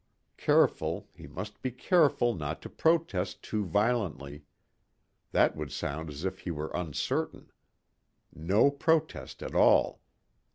Careful, he must be careful not to protest too violently. That would sound as if he were uncertain. No protest at all.